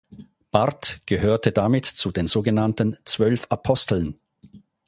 Barth gehörte damit zu den sogenannten "Zwölf Aposteln".